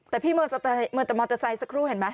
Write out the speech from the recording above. แต่พี่เหมือนแต่มอเตอร์ไซค์สักครู่เห็นไหม